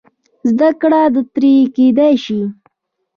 زده کړه ترې کېدای شي.